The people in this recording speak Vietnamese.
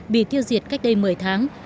bị tiêu diệt cách đây một mươi tháng